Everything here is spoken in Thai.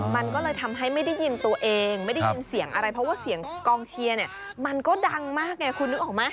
มันก็เลยทำให้ไม่ได้ยินตัวเองไม่ได้ยินเสียงอะไรเพราะว่าเสียงกองเชียร์เนี่ยมันก็ดังมากไงคุณนึกออกไหม